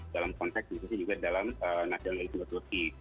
dalam konteks itu juga dalam nasionalisme turki